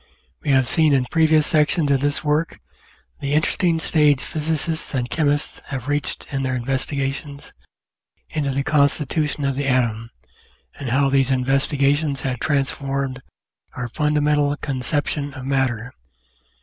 We have seen in previous sections of this work the interesting stage Physicists and Chemists have reached in their investigations into the constitution of the atom, and how these investigations have transformed our fundamental conception of matter.